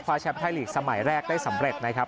แชมป์ไทยลีกสมัยแรกได้สำเร็จนะครับ